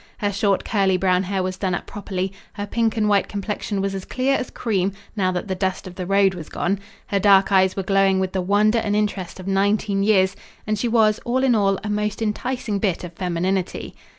Her short curly brown hair was done up properly; her pink and white complexion was as clear as cream, now that the dust of the road was gone; her dark eyes were glowing with the wonder and interest of nineteen years, and she was, all in all, a most enticing bit of femininity.